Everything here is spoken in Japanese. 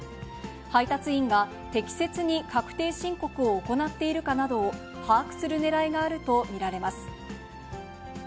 配達員が適切に確定申告を行っているかなどを把握するねらいがあると見られます。